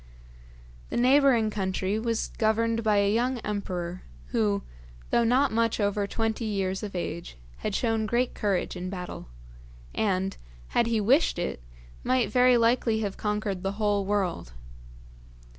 The neighbouring country was governed by a young emperor, who, though not much over twenty years of age, had shown great courage in battle, and, had he wished it, might very likely have conquered the whole world.